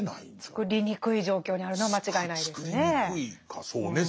つくりにくい状況にあるのは間違いないですね。